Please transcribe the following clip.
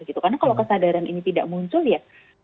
karena kalau kesadaran ini tidak muncul ya